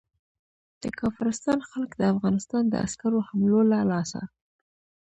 د کافرستان خلک د افغانستان د عسکرو حملو له لاسه.